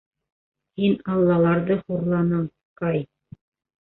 Һин Аллаларҙы хурланың, Кай.